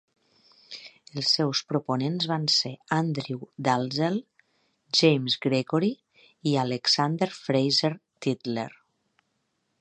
Els seus proponents van ser Andrew Dalzel, James Gregory i Alexander Fraser Tytler.